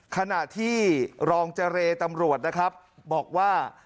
ขณะที่รองเจรตำรวจนะครับบอกว่า